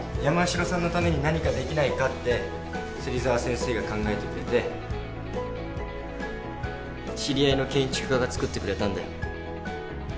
山城さんのために何かできないかって芹沢先生が考えてくれて知り合いの建築家が造ってくれたんだよ。